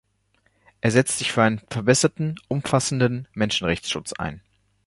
Es setzt sich für einen verbesserten, umfassenden Menschenrechtsschutz ein.